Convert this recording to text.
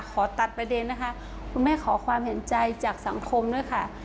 ขอตัดประเด็นนะคะคุณแม่ขอความเห็นใจจากสังคมด้วยค่ะ